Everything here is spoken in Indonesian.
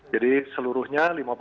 jadi seluruhnya lima puluh